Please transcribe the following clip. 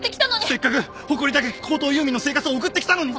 せっかく誇り高き高等遊民の生活を送ってきたのに。